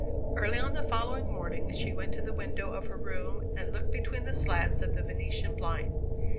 Early on the following morning she went to the window of her room, and looked between the slats of the Venetian blind.